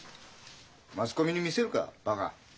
マスコミに見せるかバカ。